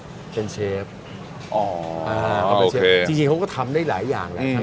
พี่เป็นเชฟอ๋ออ่าโอเคจริงเขาก็ทำได้หลายอย่างแหละอืม